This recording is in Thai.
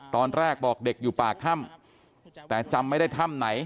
ตอนแรกบอกเด็กอยู่ปากถ้ำแต่จำไม่ได้ถ้ำไหน